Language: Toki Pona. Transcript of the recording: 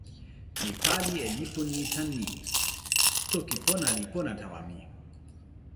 mi pali e lipu ni tan ni: toki pona li pona tawa mi.